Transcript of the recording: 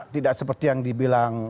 tidak seperti yang dibilang